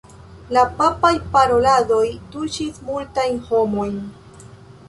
La papaj paroladoj tuŝis multajn homojn.